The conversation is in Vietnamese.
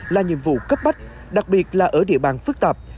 là nhiệm vụ cấp bách đặc biệt là ở địa bàn phức tạp